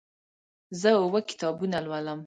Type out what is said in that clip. زه اووه کتابونه لولم.